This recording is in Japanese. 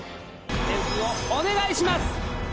点数をお願いします。